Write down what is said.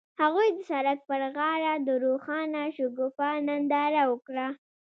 هغوی د سړک پر غاړه د روښانه شګوفه ننداره وکړه.